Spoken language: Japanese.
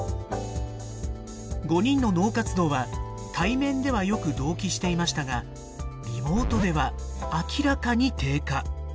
５人の脳活動は対面ではよく同期していましたがリモートでは明らかに低下。